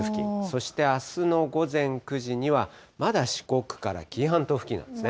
そしてあすの午前９時には、まだ四国から紀伊半島付近なんですね。